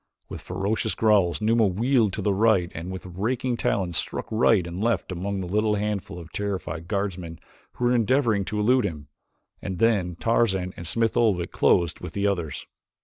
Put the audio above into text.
With ferocious growls Numa wheeled to the right, and with raking talons struck right and left among a little handful of terrified guardsmen who were endeavoring to elude him, and then Tarzan and Smith Oldwick closed with the others.